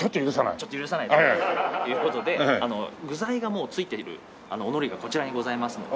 ちょっと許さないという事で具材がもうついているお海苔がこちらにございますので。